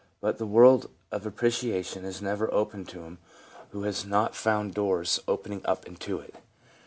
But the world of appreciation is never opened to him who has not found doors opening up into it.